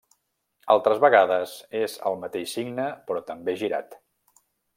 Altres vegades és el mateix signe però també girat.